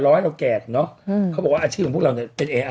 ให้เราแก่เนอะอืมเขาบอกว่าอาชีพของพวกเราเนี่ยเป็นเออ